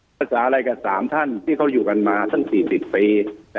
ภาษาอะไรกับสามท่านที่เขาอยู่กันมาสักสี่สิบปี